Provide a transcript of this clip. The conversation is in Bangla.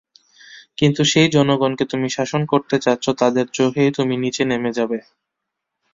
কিন্তু যেই জনগণকে তুমি শাসন করতে চাচ্ছ তাদের চোখেই তুমি নিচে নেমে যাবে।